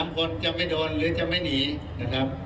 ๓คนจะไปโดนหรือจะไม่หนีนะครับ